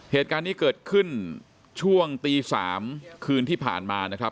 เหตุการณ์นี้เกิดขึ้นช่วงตี๓คืนที่ผ่านมานะครับ